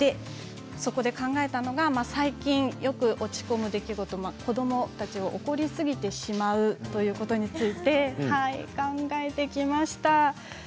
そこで考えたのが最近よく落ち込む出来事子どもたちを怒りすぎてしまうということについて考えてきました。